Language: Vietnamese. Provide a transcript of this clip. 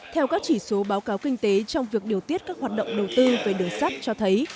theo các chỉ số báo cáo kinh tế trong việc điều tiết các hoạt động đầu tư về đường sắt cho thấy